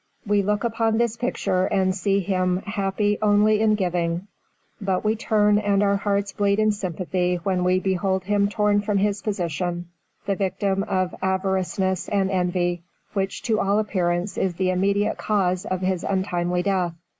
We look upon this picture and we see him happy only in giving; but we turn and our hearts bleed in sympathy when we behold him torn from his position, the victim of avariciousness and envy, which to all appearance is the immediate cause of his untimely death.